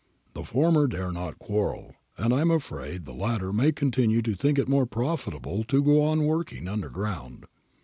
The former dare not quarrel, and I am afraid the latter may continue to think it more profitable to go on working underground.